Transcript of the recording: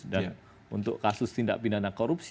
dan untuk kasus tindak pidana korupsi